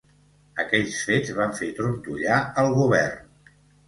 Aquells fets van fer trontollar el govern.